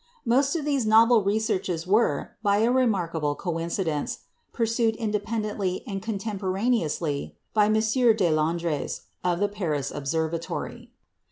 " Most of these novel researches were, by a remarkable coincidence, pursued independently and contemporaneously by M. Deslandres, of the Paris Observatory.